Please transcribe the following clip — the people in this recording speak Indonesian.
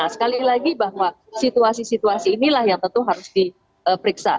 sekali lagi bahwa situasi situasi inilah yang tentu harus diperiksa